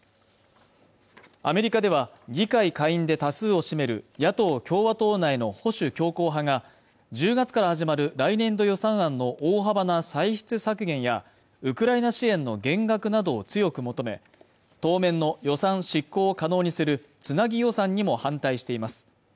アメリカでは議会下院で多数を占める野党・共和党内の保守強硬派が１０月から始まる来年度予算案の大幅な歳出削減やウクライナ支援の減額などを強く求め当面の予算執行を可能にするつなぎ予算にも反対しています